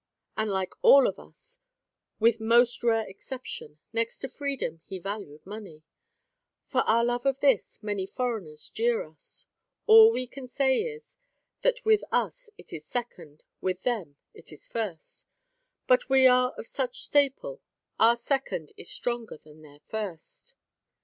And like all of us, with most rare exception, next to freedom, he valued money. For our love of this, many foreigners jeer us. All we can say is, that with us it is second, with them it is first. But we are of such staple, our second is stronger than their first.